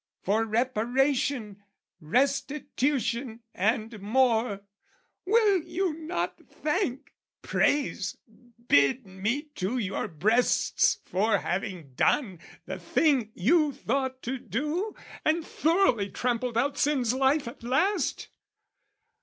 For reparation, restitution and more, Will you not thank, praise, bid me to your breasts For having done the thing you thought to do, And thoroughly trampled out sin's life at last?